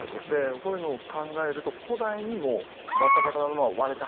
そういうのを考えると古代にもうバタバタのまま割れた！